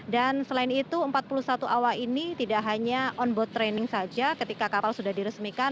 dan selain itu empat puluh satu awal ini tidak hanya on board training saja ketika kapal sudah diresmikan